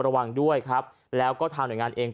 ระวังด้วยครับแล้วก็ทางหน่วยงานเอง